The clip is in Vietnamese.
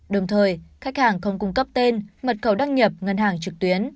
đồng thời khách hàng không cung cấp tên mật khẩu đăng nhập ngân hàng trực tuyến